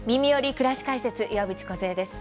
くらし解説」岩渕梢です。